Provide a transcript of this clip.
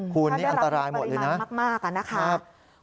คุณนี่อันตรายหมดเลยนะถ้าได้รับปริมาณมากอะนะคะ